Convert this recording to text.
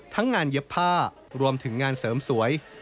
ทั้งงานเย็บผ้ารวมถึงงานเสริมสวย